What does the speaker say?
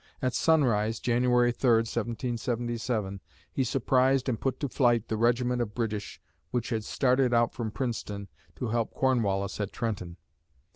At sunrise (Jan. 3, 1777), he surprised and put to flight the regiment of British which had started out from Princeton to help Cornwallis at Trenton.